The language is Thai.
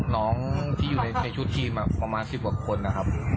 น้องที่อยู่ในในชุดทีมอ่ะประมาณสิบหวัดคนอ่ะครับ